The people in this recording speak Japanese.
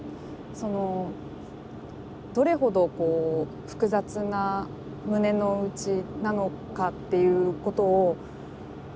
そのどれほど複雑な胸の内なのかっていうことを感じて。